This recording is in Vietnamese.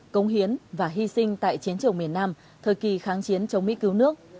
công hiến và hy sinh tại chiến trường miền nam thời kỳ kháng chiến chống mỹ cứu nước